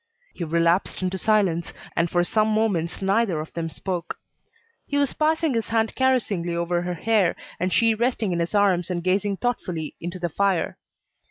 '" He relapsed into silence, and for some moments neither of them spoke. He was passing his hand caressingly over her hair, and she resting in his arms and gazing thoughtfully into the fire.